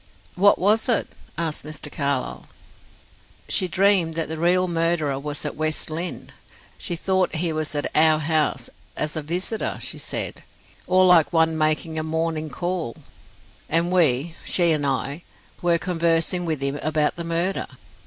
"What was it?" asked Mr. Carlyle. "She dreamed that the real murderer was at West Lynne. She thought he was at our house as a visitor, she said, or like one making a morning call and we, she and I, were conversing with him about the murder.